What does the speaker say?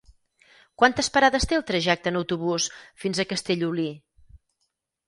Quantes parades té el trajecte en autobús fins a Castellolí?